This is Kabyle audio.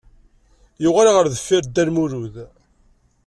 Yuɣal ar deffir Dda Lmulud.